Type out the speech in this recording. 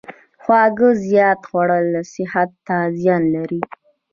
خواږه زیات خوړل صحت ته زیان لري.